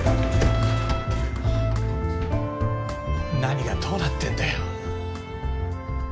何がどうなってんだよ。